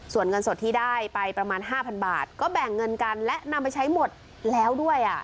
ส่วนเงินสดที่ได้ไปประมาณ๕๐๐บาทก็แบ่งเงินกันและนำไปใช้หมดแล้วด้วยอ่ะ